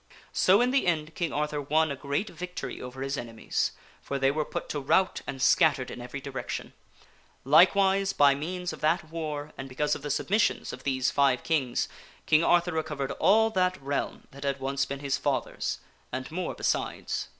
So in the end King Arthur won a great victory over his enemies ; for they were put to rout and scattered in every direction. Likewise by King Arthur means of that war, and because of the submissions of these is victorious. fi ve kings, King Arthur recovered all that realm that had once been his father's, and more besides.